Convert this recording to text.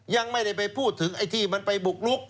ยังไม่ได้ไปพูดถึงไอ้ที่มันไปบุกลุก